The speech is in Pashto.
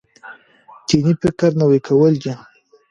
دیني فکر نوی کول دی.